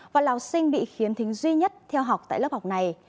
và lào sinh bị khiếm thính duy nhất theo học tại lớp học này